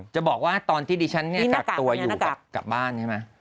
จะบอกว่าตอนที่ดิฉันเนี่ยกักตัวอยู่กลับบ้านใช่ไหม